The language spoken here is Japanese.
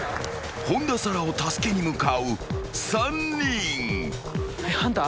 ［本田紗来を助けに向かう３人］